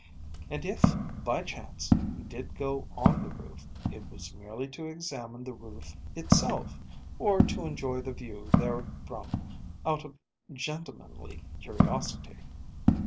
And if by chance he did go on the roof, it was merely to examine the roof itself, or to enjoy the view therefrom out of gentlemanly curiosity.